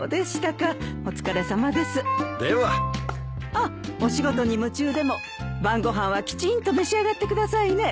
あっお仕事に夢中でも晩ご飯はきちんと召し上がってくださいね。